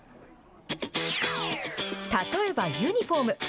例えばユニホーム。